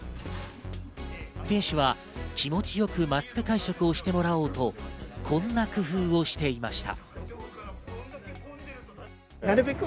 店主は気持ちよくマスク会食をしてもらおうと、こんな工夫をしていました。